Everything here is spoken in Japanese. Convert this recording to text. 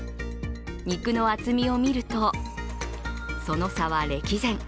肉の厚みをみると、その差は歴然。